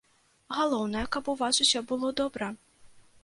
Галоўнае, каб у вас усё было добра.